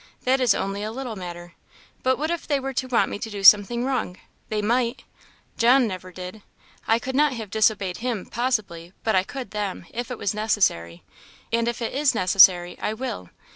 That is only a little matter. But what if they were to want me to do something wrong? they might; John never did I could not have disobeyed him, possibly! but I could them, if it was necessary and if it is necessary, I will!